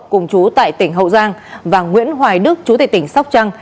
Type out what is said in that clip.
cùng chú tại tỉnh hậu giang và nguyễn hoài đức chủ tịch tỉnh sóc trăng